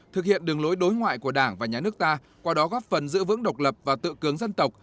thực hiện đường lối đối ngoại của đảng và nhà nước ta qua đó góp phần giữ vững độc lập và tự cướng dân tộc